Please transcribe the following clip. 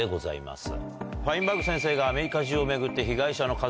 ファインバーグ先生がアメリカ中を巡って。